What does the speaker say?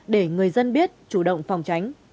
để người dân biết chủ động phòng tránh